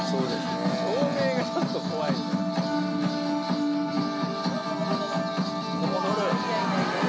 照明がちょっと怖いよね。